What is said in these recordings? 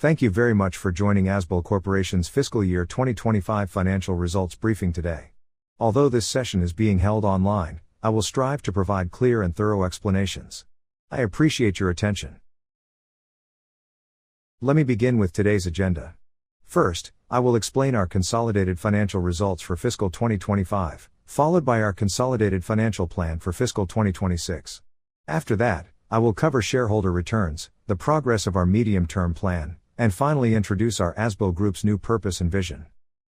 Thank you very much for joining Azbil Corporation's Fiscal Year 2025 financial results briefing today. Although this session is being held online, I will strive to provide clear and thorough explanations. I appreciate your attention. Let me begin with today's agenda. First, I will explain our consolidated financial results for fiscal 2025, followed by our consolidated financial plan for fiscal 2026. After that, I will cover shareholder returns, the progress of our medium-term plan, and finally introduce our Azbil Group's new purpose and vision.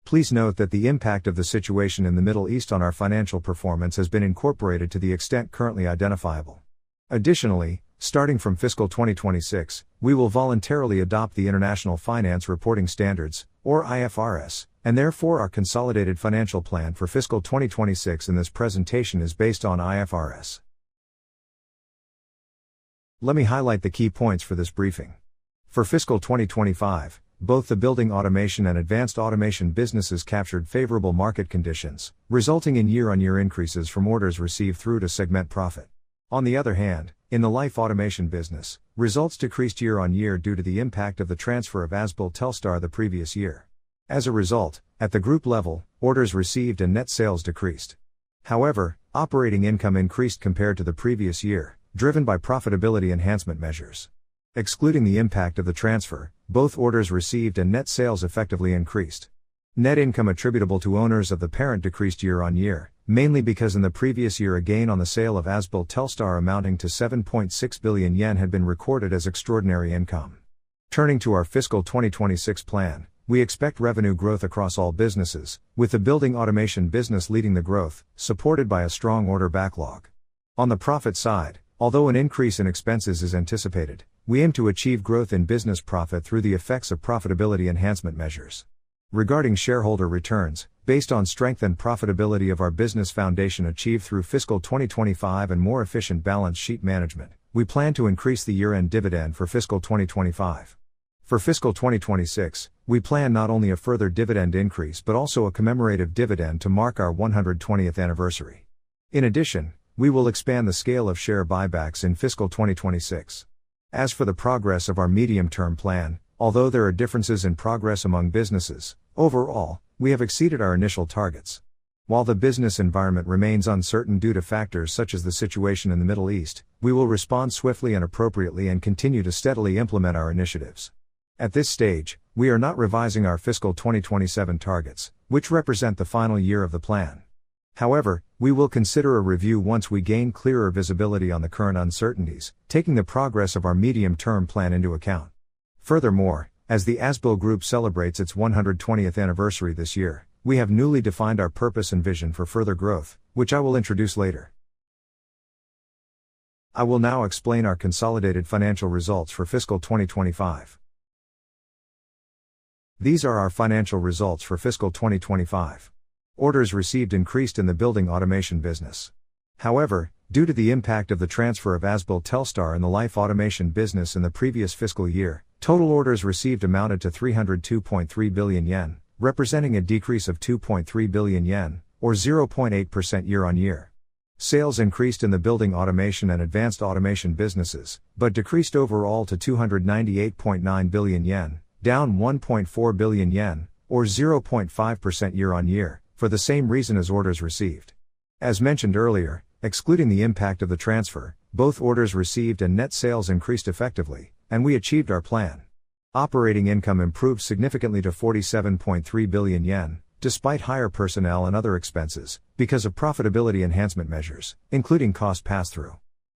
Please note that the impact of the situation in the Middle East on our financial performance has been incorporated to the extent currently identifiable. Additionally, starting from fiscal 2026, we will voluntarily adopt the International Financial Reporting Standards, or IFRS and therefore, our consolidated financial plan for fiscal 2026 in this presentation is based on IFRS. Let me highlight the key points for this briefing. For fiscal 2025, both the Building Automation and Advanced Automation businesses captured favorable market conditions, resulting in year-on-year increases from orders received through to segment profit. On the other hand, in the Life Automation business, results decreased year-on-year due to the impact of the transfer of Azbil Telstar the previous year. As a result, at the group level, orders received and net sales decreased. However, operating income increased compared to the previous year, driven by profitability enhancement measures excluding the impact of the transfer, both orders received and net sales effectively increased. Net income attributable to owners of the parent decreased year-on-year, mainly because in the previous year, a gain on the sale of Azbil Telstar amounting to 7.6 billion yen had been recorded as extraordinary income. Turning to our fiscal 2026 plan, we expect revenue growth across all businesses, with the Building Automation business leading the growth, supported by a strong order backlog. On the profit side, although an increase in expenses is anticipated, we aim to achieve growth in business profit through the effects of profitability enhancement measures. Regarding shareholder returns, based on strengthened profitability of our business foundation achieved through fiscal 2025 and more efficient balance sheet management. We plan to increase the year-end dividend for fiscal 2025. For fiscal 2026, we plan not only a further dividend increase, but also a commemorative dividend to mark our 120th Anniversary. We will expand the scale of share buybacks in fiscal 2026. As for the progress of our medium-term plan, although there are differences in progress among businesses, overall, we have exceeded our initial targets. While the business environment remains uncertain due to factors such as the situation in the Middle East, we will respond swiftly and appropriately and continue to steadily implement our initiatives. At this stage, we are not revising our fiscal 2027 targets, which represent the final year of the plan. However, we will consider a review once we gain clearer visibility on the current uncertainties, taking the progress of our medium-term plan into account. Furthermore, as the Azbil Group celebrates its 120th Anniversary this year, we have newly defined our purpose and vision for further growth, which I will introduce later. I will now explain our consolidated financial results for fiscal 2025. These are our financial results for fiscal 2025. Orders received increased in the Building Automation business. However, due to the impact of the transfer of Azbil Telstar in the Life Automation business in the previous fiscal year, total orders received amounted to 302.3 billion yen, representing a decrease of 2.3 billion yen, or 0.8% year-on-year. Sales increased in the Building Automation and Advanced Automation businesses, but decreased overall to 298.9 billion yen, down 1.4 billion yen, or 0.5% year-on-year, for the same reason as orders received. As mentioned earlier, excluding the impact of the transfer, both orders received and net sales increased effectively, and we achieved our plan. Operating income improved significantly to 47.3 billion yen, despite higher personnel and other expenses because of profitability enhancement measures, including cost passthrough.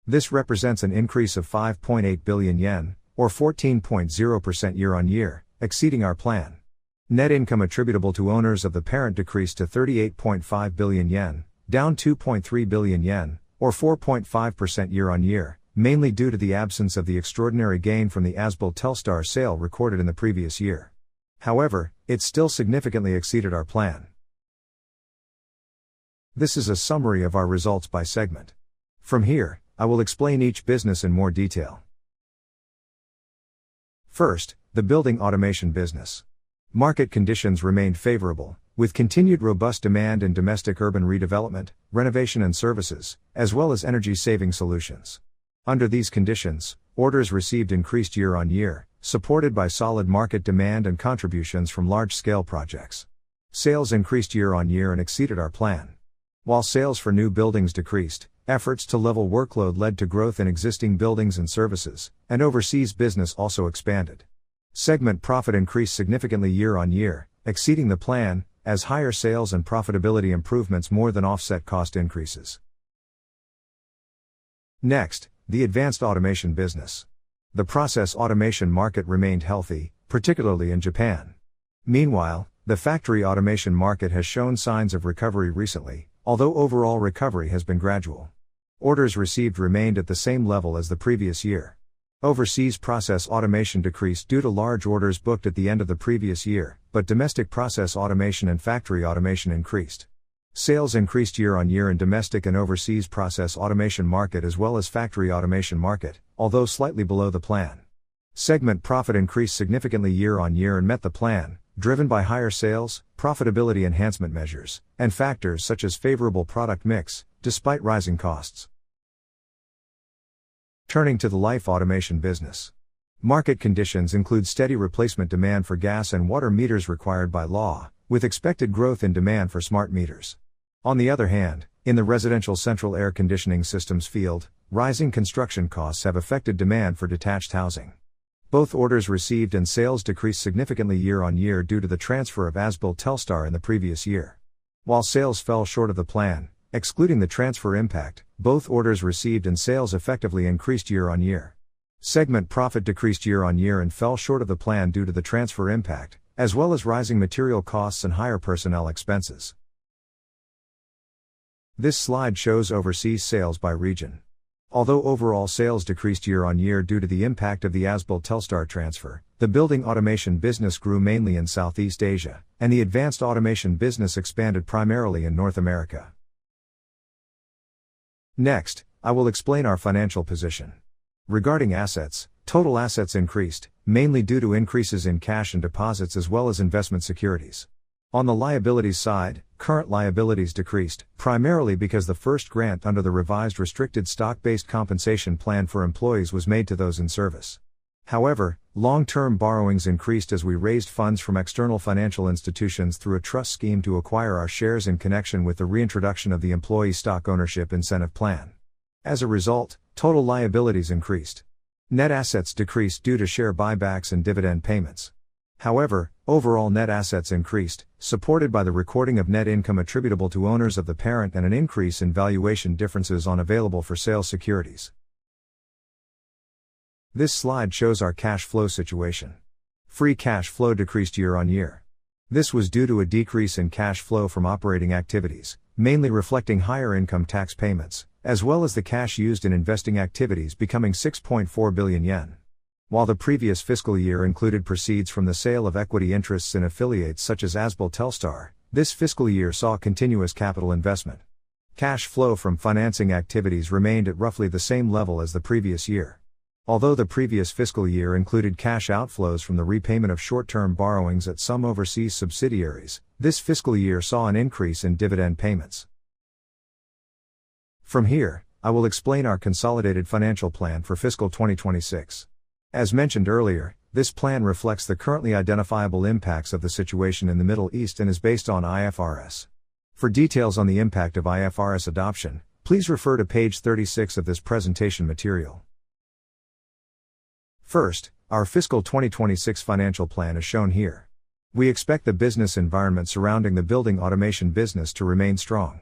This represents an increase of 5.8 billion yen, or 14.0% year-on-year, exceeding our plan. Net income attributable to owners of the parent decreased to 38.5 billion yen, down 2.3 billion yen, or 4.5% year-on-year, mainly due to the absence of the extraordinary gain from the Azbil Telstar sale recorded in the previous year. It still significantly exceeded our plan. This is a summary of our results by segment. From here, I will explain each business in more detail. First, the Building Automation business. Market conditions remained favorable, with continued robust demand in domestic urban redevelopment, renovation and services, as well as energy saving solutions. Under these conditions, orders received increased year-on-year, supported by solid market demand and contributions from large-scale projects. Sales increased year-on-year and exceeded our plan, while sales for new buildings decreased, efforts to level workload led to growth in existing buildings and services, and overseas business also expanded. Segment profit increased significantly year-on-year, exceeding the plan, as higher sales and profitability improvements more than offset cost increases. Next, the Advanced Automation business. The process automation market remained healthy, particularly in Japan. Meanwhile, the factory automation market has shown signs of recovery recently, although overall recovery has been gradual. Orders received remained at the same level as the previous year. Overseas process automation decreased due to large orders booked at the end of the previous year, but domestic process automation and factory automation increased. Sales increased year-on-year in domestic and overseas process automation market as well as factory automation market, although slightly below the plan. Segment profit increased significantly year-on-year and met the plan driven by higher sales, profitability enhancement measures, and factors such as favorable product mix despite rising costs. Turning to the Life Automation business, market conditions include steady replacement demand for gas and water meters required by law, with expected growth in demand for smart meters. On the other hand, in the residential central air conditioning systems field, rising construction costs have affected demand for detached housing. Both orders received and sales decreased significantly year-on-year due to the transfer of Azbil Telstar in the previous year, while sales fell short of the plan, excluding the transfer impact, both orders received and sales effectively increased year-on-year. Segment profit decreased year-on-year and fell short of the plan due to the transfer impact, as well as rising material costs and higher personnel expenses. This slide shows overseas sales by region. Although overall sales decreased year-on-year due to the impact of the Azbil Telstar transfer, the Building Automation business grew mainly in Southeast Asia, and the Advanced Automation business expanded primarily in North America. Next, I will explain our financial position. Regarding assets, total assets increased, mainly due to increases in cash and deposits as well as investment securities. On the liabilities side, current liabilities decreased, primarily because the first grant under the revised restricted stock-based compensation plan for employees was made to those in service. However, long-term borrowings increased as we raised funds from external financial institutions through a trust scheme to acquire our shares in connection with the reintroduction of the employee stock ownership incentive plan. As a result, total liabilities increased. Net assets decreased due to share buybacks and dividend payments. However, overall net assets increased, supported by the recording of net income attributable to owners of the parent and an increase in valuation differences on available for sale securities. This slide shows our cash flow situation. Free cash flow decreased year-over-year. This was due to a decrease in cash flow from operating activities, mainly reflecting higher income tax payments, as well as the cash used in investing activities becoming 6.4 billion yen. While the previous fiscal year included proceeds from the sale of equity interests in affiliates such as Azbil Telstar, this fiscal year saw continuous capital investment. Cash flow from financing activities remained at roughly the same level as the previous year. Although the previous fiscal year included cash outflows from the repayment of short-term borrowings at some overseas subsidiaries, this fiscal year saw an increase in dividend payments. From here, I will explain our consolidated financial plan for fiscal 2026. As mentioned earlier, this plan reflects the currently identifiable impacts of the situation in the Middle East and is based on IFRS. For details on the impact of IFRS adoption, please refer to page 36 of this presentation material. First, our fiscal 2026 financial plan is shown here. We expect the business environment surrounding the Building Automation business to remain strong.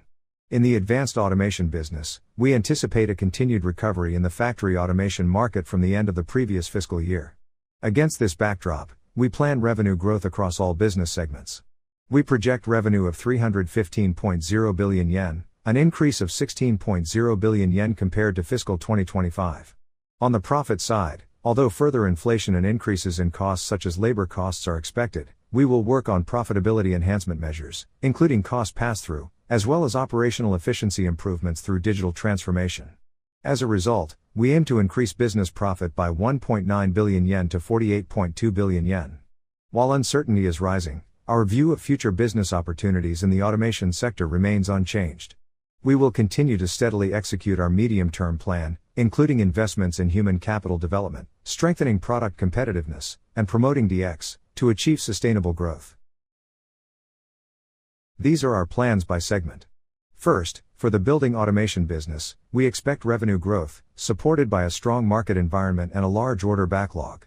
In the Advanced Automation business, we anticipate a continued recovery in the factory automation market from the end of the previous fiscal year. Against this backdrop, we plan revenue growth across all business segments. We project revenue of 315.0 billion yen, an increase of 16.0 billion yen compared to fiscal 2025. On the profit side, although further inflation and increases in costs such as labor costs are expected. We will work on profitability enhancement measures, including cost passthrough, as well as operational efficiency improvements through digital transformation. As a result, we aim to increase business profit by 1.9 billion yen to 48.2 billion yen, while uncertainty is rising, our view of future business opportunities in the automation sector remains unchanged. We will continue to steadily execute our medium-term plan, including investments in human capital development, strengthening product competitiveness, and promoting DX to achieve sustainable growth. These are our plans by segment. First, for the Building Automation business, we expect revenue growth, supported by a strong market environment and a large order backlog.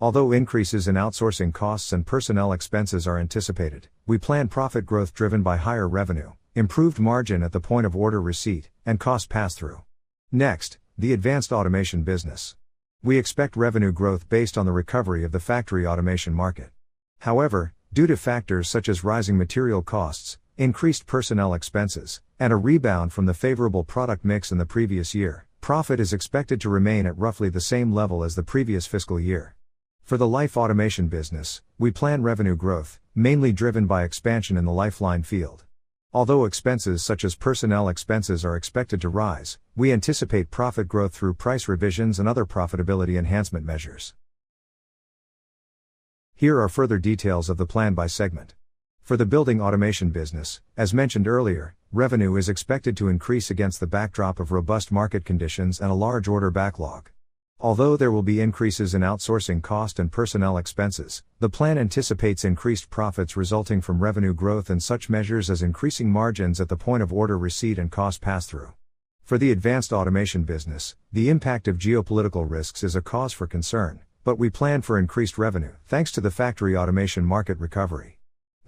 Although increases in outsourcing costs and personnel expenses are anticipated, we plan profit growth driven by higher revenue, improved margin at the point of order receipt, and cost passthrough. Next, the Advanced Automation business. We expect revenue growth based on the recovery of the factory automation market. Due to factors such as rising material costs, increased personnel expenses, and a rebound from the favorable product mix in the previous year. Profit is expected to remain at roughly the same level as the previous fiscal year. For the Life Automation business, we plan revenue growth, mainly driven by expansion in the lifeline field. Expenses such as personnel expenses are expected to rise, we anticipate profit growth through price revisions and other profitability enhancement measures. Here are further details of the plan by segment. For the Building Automation business, as mentioned earlier, revenue is expected to increase against the backdrop of robust market conditions and a large order backlog. Although there will be increases in outsourcing cost and personnel expenses, the plan anticipates increased profits resulting from revenue growth and such measures as increasing margins at the point of order receipt and cost passthrough. For the Advanced Automation business, the impact of geopolitical risks is a cause for concern, but we plan for increased revenue, thanks to the factory automation market recovery.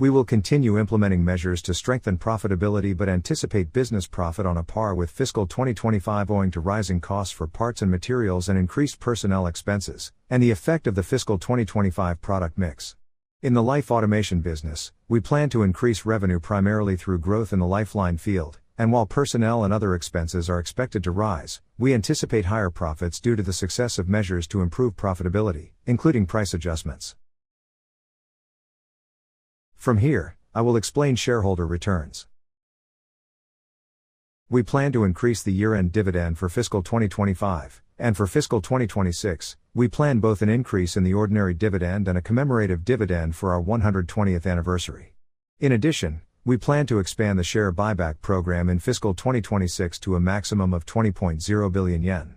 We will continue implementing measures to strengthen profitability but anticipate business profit on a par with fiscal 2025 owing to rising costs for parts and materials and increased personnel expenses, and the effect of the fiscal 2025 product mix. In the Life Automation business, we plan to increase revenue primarily through growth in the lifeline field, and while personnel and other expenses are expected to rise, we anticipate higher profits due to the success of measures to improve profitability, including price adjustments. From here, I will explain shareholder returns. We plan to increase the year-end dividend for fiscal 2025, and for fiscal 2026, we plan both an increase in the ordinary dividend and a commemorative dividend for our 120th Anniversary. In addition, we plan to expand the share buyback program in fiscal 2026 to a maximum of 20.0 billion yen.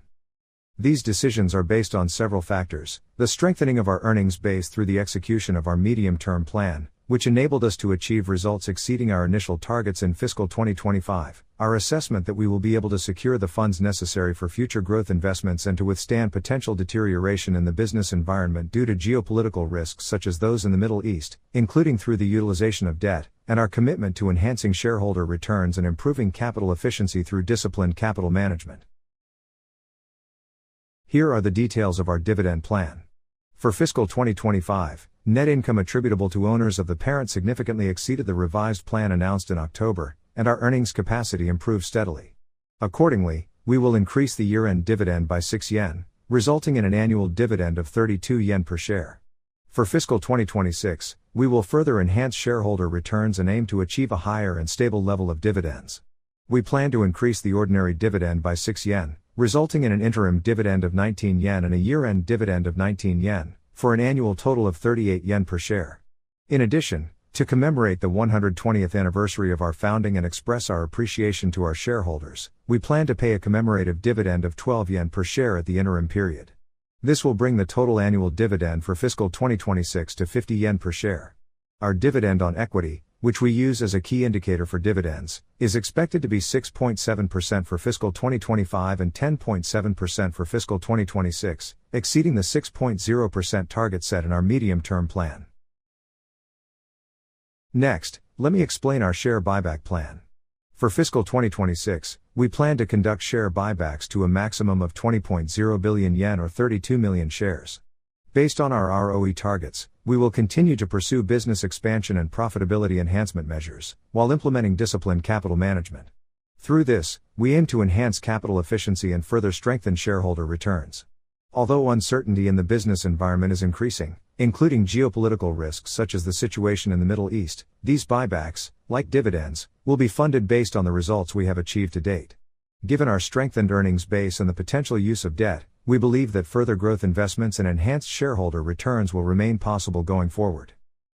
These decisions are based on several factors: the strengthening of our earnings base through the execution of our medium-term plan, which enabled us to achieve results exceeding our initial targets in fiscal 2025. Our assessment that we will be able to secure the funds necessary for future growth investments and to withstand potential deterioration in the business environment due to geopolitical risks such as those in the Middle East, including through the utilization of debt, and our commitment to enhancing shareholder returns and improving capital efficiency through disciplined capital management. Here are the details of our dividend plan. For fiscal 2025, net income attributable to owners of the parent significantly exceeded the revised plan announced in October, and our earnings capacity improved steadily. Accordingly, we will increase the year-end dividend by 6 yen, resulting in an annual dividend of 32 yen per share. For fiscal 2026, we will further enhance shareholder returns and aim to achieve a higher and stable level of dividends. We plan to increase the ordinary dividend by 6 yen, resulting in an interim dividend of 19 yen and a year-end dividend of 19 yen, for an annual total of 38 yen per share. In addition, to commemorate the 120th Anniversary of our founding and express our appreciation to our shareholders, we plan to pay a commemorative dividend of 12 yen per share at the interim period. This will bring the total annual dividend for fiscal 2026 to 50 yen per share. Our dividend on equity, which we use as a key indicator for dividends, is expected to be 6.7% for fiscal 2025 and 10.7% for fiscal 2026, exceeding the 6.0% target set in our medium-term plan. Let me explain our share buyback plan. For fiscal 2026, we plan to conduct share buybacks to a maximum of 20.0 billion yen or 32 million shares. Based on our ROE targets, we will continue to pursue business expansion and profitability enhancement measures, while implementing disciplined capital management. Through this, we aim to enhance capital efficiency and further strengthen shareholder returns. Although uncertainty in the business environment is increasing, including geopolitical risks such as the situation in the Middle East, these buybacks, like dividends, will be funded based on the results we have achieved to date. Given our strengthened earnings base and the potential use of debt, we believe that further growth investments and enhanced shareholder returns will remain possible going forward.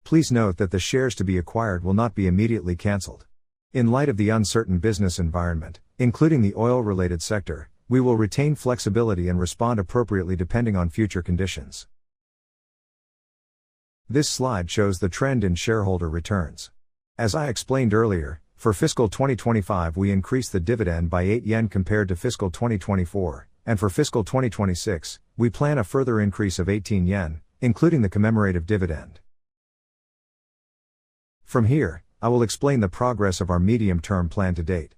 Please note that the shares to be acquired will not be immediately canceled. In light of the uncertain business environment, including the oil-related sector, we will retain flexibility and respond appropriately depending on future conditions. This slide shows the trend in shareholder returns. As I explained earlier, for fiscal 2025, we increased the dividend by 8 yen compared to fiscal 2024, and for fiscal 2026, we plan a further increase of 18 yen, including the commemorative dividend. From here, I will explain the progress of our medium-term plan to date.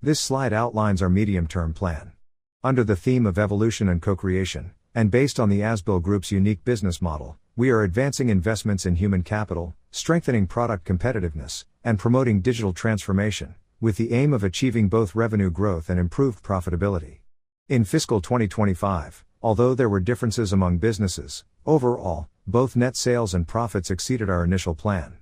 This slide outlines our medium-term plan. Under the theme of evolution and co-creation, based on the Azbil Group's unique business model, we are advancing investments in human capital, strengthening product competitiveness, and promoting digital transformation, with the aim of achieving both revenue growth and improved profitability. In fiscal 2025, although there were differences among businesses, overall, both net sales and profits exceeded our initial plan,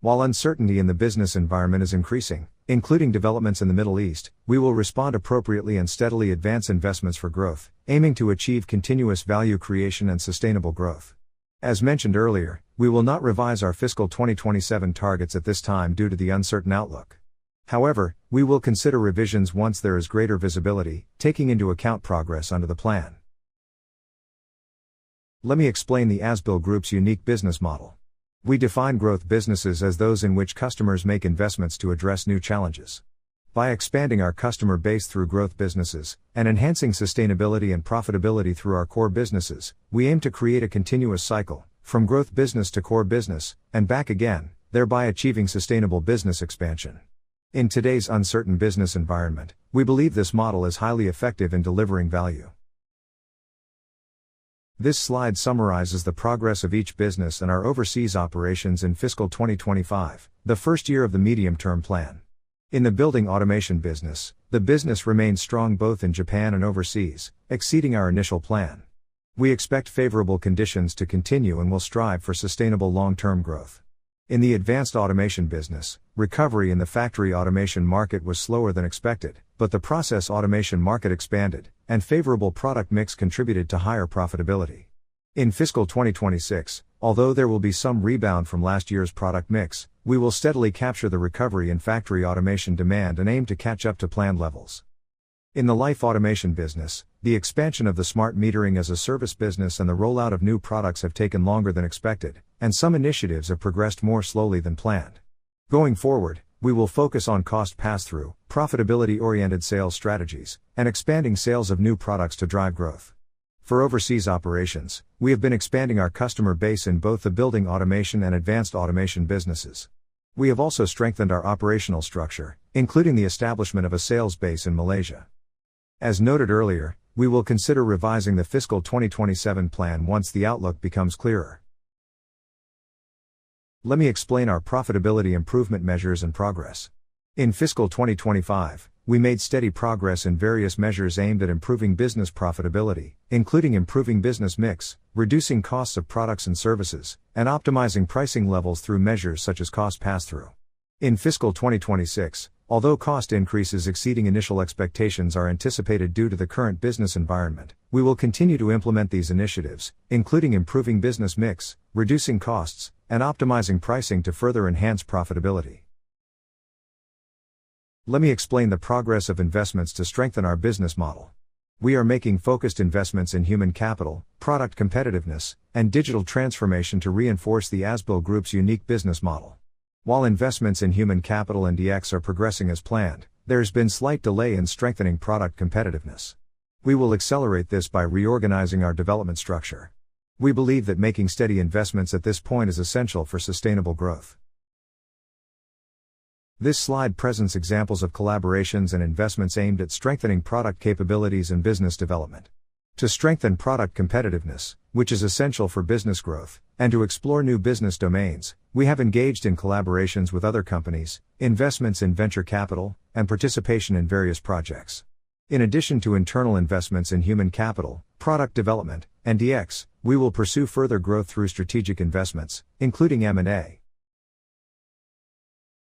while uncertainty in the business environment is increasing, including developments in the Middle East, we will respond appropriately and steadily advance investments for growth, aiming to achieve continuous value creation and sustainable growth. As mentioned earlier, we will not revise our fiscal 2027 targets at this time due to the uncertain outlook. We will consider revisions once there is greater visibility, taking into account progress under the plan. Let me explain the Azbil Group's unique business model. We define growth businesses as those in which customers make investments to address new challenges. By expanding our customer base through growth businesses, and enhancing sustainability and profitability through our core businesses, we aim to create a continuous cycle, from growth business to core business, and back again. Thereby achieving sustainable business expansion. In today's uncertain business environment, we believe this model is highly effective in delivering value. This slide summarizes the progress of each business and our overseas operations in fiscal 2025, the first year of the medium-term plan. In the Building Automation business, the business remained strong both in Japan and overseas, exceeding our initial plan. We expect favorable conditions to continue and will strive for sustainable long-term growth. In the Advanced Automation business, recovery in the factory automation market was slower than expected, but the process automation market expanded, and favorable product mix contributed to higher profitability. In fiscal 2026, although there will be some rebound from last year's product mix, we will steadily capture the recovery in factory automation demand and aim to catch up to planned levels. In the Life Automation business, the expansion of the Smart Metering as a Service business and the rollout of new products have taken longer than expected, and some initiatives have progressed more slowly than planned. Going forward, we will focus on cost passthrough, profitability-oriented sales strategies, and expanding sales of new products to drive growth. For overseas operations, we have been expanding our customer base in both the Building Automation and Advanced Automation businesses. We have also strengthened our operational structure, including the establishment of a sales base in Malaysia. As noted earlier, we will consider revising the fiscal 2027 plan once the outlook becomes clearer. Let me explain our profitability improvement measures and progress. In fiscal 2025, we made steady progress in various measures aimed at improving business profitability, including improving business mix, reducing costs of products and services, and optimizing pricing levels through measures such as cost passthrough. In fiscal 2026, although cost increases exceeding initial expectations are anticipated due to the current business environment, we will continue to implement these initiatives, including improving business mix, reducing costs, and optimizing pricing to further enhance profitability. Let me explain the progress of investments to strengthen our business model. We are making focused investments in human capital, product competitiveness, and digital transformation to reinforce the Azbil Group's unique business model. While investments in human capital and DX are progressing as planned, there has been slight delay in strengthening product competitiveness. We will accelerate this by reorganizing our development structure. We believe that making steady investments at this point is essential for sustainable growth. This slide presents examples of collaborations and investments aimed at strengthening product capabilities and business development. To strengthen product competitiveness, which is essential for business growth, and to explore new business domains, we have engaged in collaborations with other companies, investments in venture capital, and participation in various projects. In addition to internal investments in human capital, product development, and DX, we will pursue further growth through strategic investments, including M&A.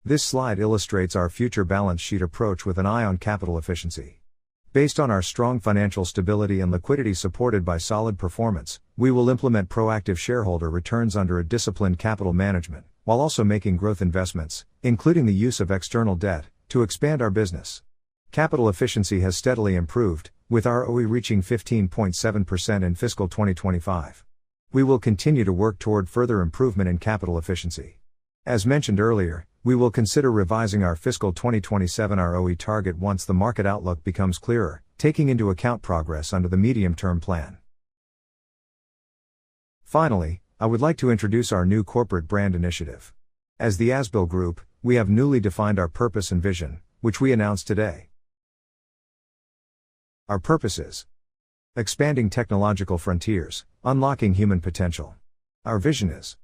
This slide illustrates our future balance sheet approach with an eye on capital efficiency. Based on our strong financial stability and liquidity supported by solid performance, we will implement proactive shareholder returns under a disciplined capital management, while also making growth investments, including the use of external debt to expand our business. Capital efficiency has steadily improved, with ROE reaching 15.7% in fiscal 2025. We will continue to work toward further improvement in capital efficiency. As mentioned earlier, we will consider revising our fiscal 2027 ROE target once the market outlook becomes clearer, taking into account progress under the medium-term plan. Finally, I would like to introduce our new corporate brand initiative. As the Azbil Group, we have newly defined our purpose and vision, which we announce today. Our purpose is expanding technological frontiers, unlocking human potential. Our vision is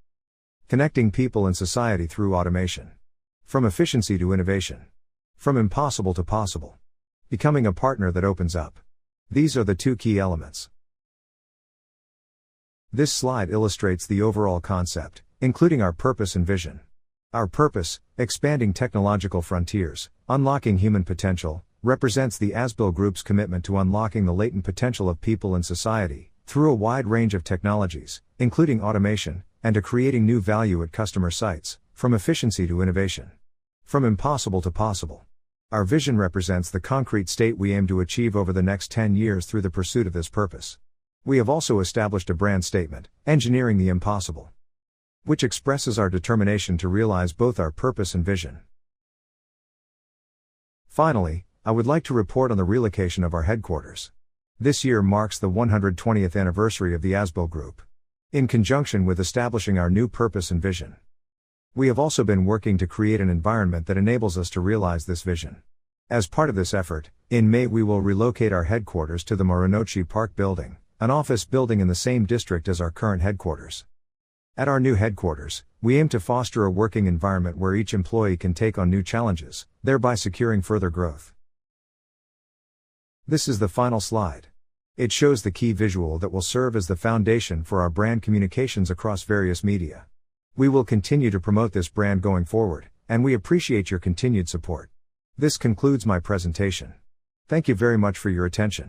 connecting people and society through automation. From efficiency to innovation, from impossible to possible. Becoming a partner that opens up. These are the 2 key elements. This slide illustrates the overall concept, including our purpose and vision. Our purpose, expanding technological frontiers, unlocking human potential, represents the Azbil Group's commitment to unlocking the latent potential of people and society through a wide range of technologies, including automation, and to creating new value at customer sites, from efficiency to innovation, from impossible to possible. Our vision represents the concrete state we aim to achieve over the next 10 years through the pursuit of this purpose. We have also established a brand statement, Engineering the Impossible, which expresses our determination to realize both our purpose and vision. Finally, I would like to report on the relocation of our headquarters. This year marks the 120th Anniversary of the Azbil Group. In conjunction with establishing our new purpose and vision, we have also been working to create an environment that enables us to realize this vision. As part of this effort, in May, we will relocate our headquarters to the Marunouchi Park Building, an office building in the same district as our current headquarters. At our new headquarters, we aim to foster a working environment where each employee can take on new challenges, thereby securing further growth. This is the final slide. It shows the key visual that will serve as the foundation for our brand communications across various media. We will continue to promote this brand going forward, and we appreciate your continued support. This concludes my presentation. Thank you very much for your attention.